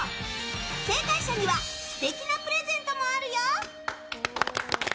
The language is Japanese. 正解者には素敵なプレゼントもあるよ。